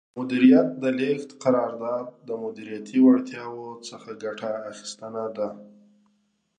د مدیریت د لیږد قرار داد د مدیریتي وړتیاوو څخه ګټه اخیستنه ده.